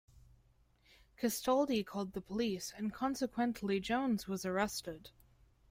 Castaldi called the police and consequently Jones was arrested.